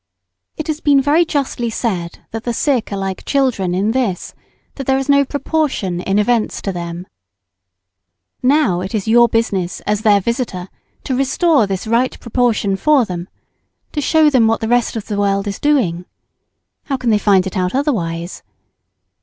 It has been very justly said that the sick are like children in this, that there is no proportion in events to them. Now it is your business as their visitor to restore this right proportion for them to show them what the rest of the world is doing. How can they find it out otherwise?